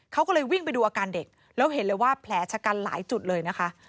เขาก็เลยวิ่งไปดูอาการเด็กแล้วเห็นเลยว่าแผลชะกันหลายจุดเลยนะคะ